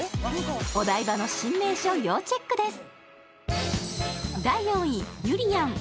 お台場の新名所、要チェックです！